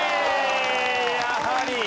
やはり。